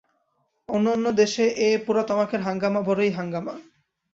অন্য অন্য দেশে এ পোড়া তামাকের হাঙ্গামা বড়ই হাঙ্গামা।